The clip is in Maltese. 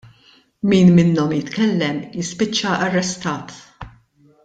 Min minnhom jitkellem jispiċċa arrestat.